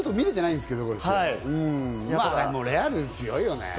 でも、レアル強いよね。